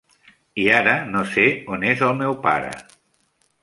I ara no sé on és el meu pare.